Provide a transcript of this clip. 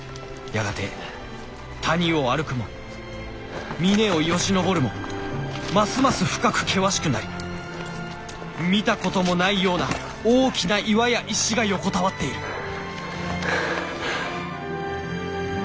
やがて谷を歩くも峰をよじ登るもますます深く険しくなり見たこともないような大きな岩や石が横たわっている」。